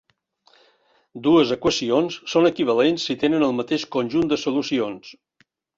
Dues equacions són equivalents si tenen el mateix conjunt de solucions.